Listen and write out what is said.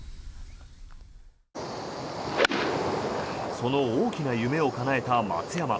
その大きな夢をかなえた松山。